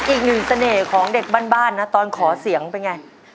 อีกหนึ่งเสน่ห์ของเด็กบ้านนะตอนขอเสียงเป็นไง